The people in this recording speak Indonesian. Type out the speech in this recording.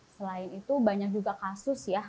selain itu banyak juga kasus ya